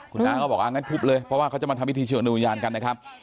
คุณน้าก็บอกว่างั้นทุบเลยเพราะว่าเขาจะมาทำพิธีเชิญดูวิญญาณกันนะครับ